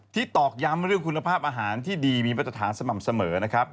ตอกย้ำเรื่องคุณภาพอาหารที่ดีมีมาตรฐานสม่ำเสมอนะครับ